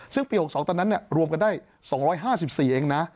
ซึ่งปี๖๒ตอนนั้นรวมกันได้๒๕๔เองนะ